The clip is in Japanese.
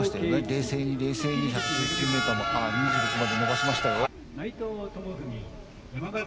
冷静に冷静に１２６まで伸ばしましたよ。